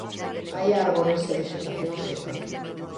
Hai árbores e vexetación seca.